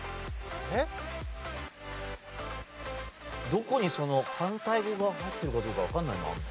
どこにその反対語が入ってるかどうかわからないな。